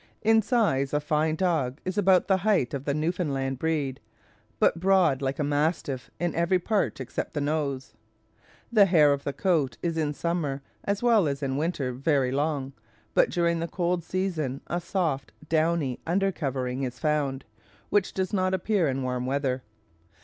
In size a fine dog is about the height of the Newfoundland breed, but broad like a mastiff in every part except the nose. The hair of the coat is in summer, as well as in winter, very long, but during the cold season a soft, downy under covering is found, which does not appear in warm weather.